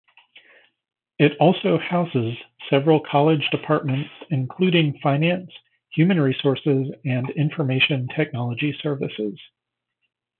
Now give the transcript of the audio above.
It also houses several college departments including finance, human resources and information technology services.